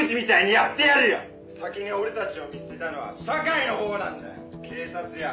「先に俺たちを見捨てたのは社会のほうなんだよ」